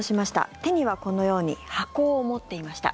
手にはこのように箱を持っていました。